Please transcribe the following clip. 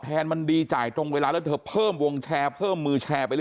แทนมันดีจ่ายตรงเวลาแล้วเธอเพิ่มวงแชร์เพิ่มมือแชร์ไปเรื่อย